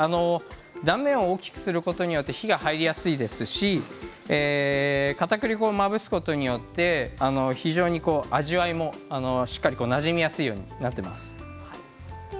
断面を大きくすることで火が入りやすいですしかたくり粉をまぶすことによって非常に味わいもしっかりなじみやすいようになっています。